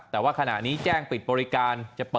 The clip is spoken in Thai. ขอบคุณครับ